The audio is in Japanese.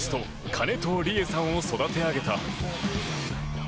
金藤理絵さんを育て上げた。